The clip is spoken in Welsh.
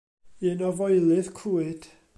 Un o foelydd Clwyd.